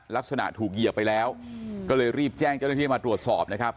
ลักษณะถูกเหยียบไปแล้วก็เลยรีบแจ้งเจ้าหน้าที่มาตรวจสอบนะครับ